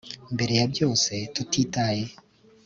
mbere ya byose, tutitaye